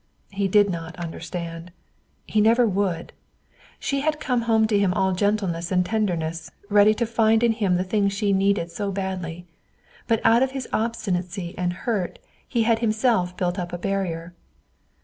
He did not understand. He never would. She had come home to him all gentleness and tenderness, ready to find in him the things she needed so badly. But out of his obstinacy and hurt he had himself built up a barrier.